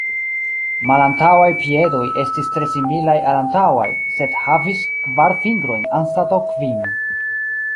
Malantaŭaj piedoj estis tre similaj al la antaŭaj, sed havis kvar fingrojn anstataŭ kvin.